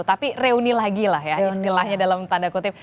tapi reuni lagi lah ya istilahnya dalam tanda kutip